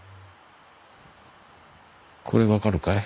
これ分かるかい？